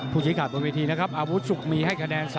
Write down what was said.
ชี้ขาดบนเวทีนะครับอาวุธสุขมีให้คะแนน๓